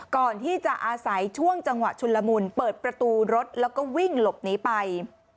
ก่อนที่จะอาศัยช่วงจังหวะชุนละมุนเปิดประตูรถแล้วก็วิ่งหลบหนีไป